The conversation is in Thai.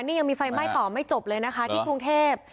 นี่ยังมีไฟไหม้ต่อไม่จบเลยนะคะที่กรุงเทพ